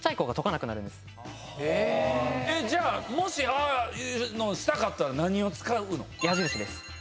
じゃあもしああしたかったら何を使うの？